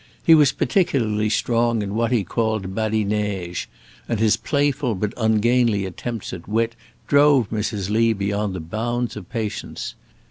He was particularly strong in what he called "badinaige," and his playful but ungainly attempts at wit drove Mrs. Lee beyond the bounds of patience.